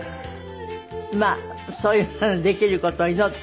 まあそういうふうにできる事を祈ってねえ。